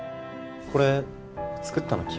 これ作ったの君？